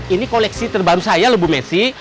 ini koleksi terbaru saya loh bu messi